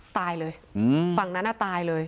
ตายเลยฝั่งนั้นตายเลย